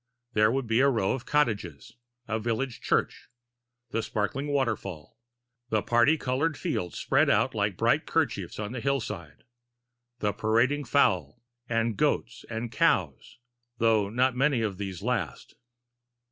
There would be the row of cottages, the village church, the sparkling waterfall, the parti colored fields spread out like bright kerchiefs on the hillsides, the parading fowl, the goats and cows, though not many of these last.